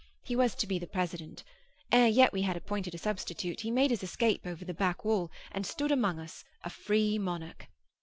He was to be the president. Ere yet we had appointed a substitute, he made his escape over the back wall, and stood among us, a free monarch.